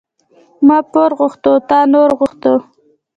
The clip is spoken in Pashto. ـ ما پور غوښته تا نور غوښته.